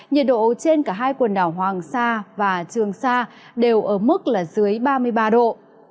nhiệt độ trên cả hai quần đảo hoàng sa và trường sa đều ở mức là dưới ba mươi ba độ